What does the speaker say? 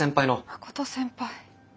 真琴先輩。